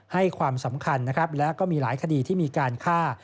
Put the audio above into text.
ให้ความสำคัญนะครับและก็มีหลายคดีที่มีการฆ่า